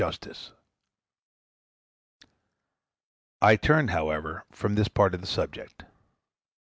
] I turn, however, from this part of the subject.